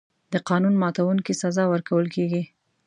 د قانون ماتونکي سزا ورکول کېږي.